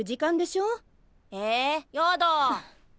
えやだ。